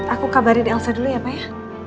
aku kabarin elsa dulu ya pak ya